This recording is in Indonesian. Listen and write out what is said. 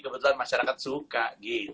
kebetulan masyarakat suka gitu